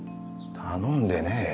頼んでねえよ。